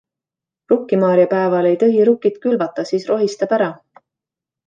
Rukkimaarjapäeval ei tõhi rukkid külvata, siis rohistab ära.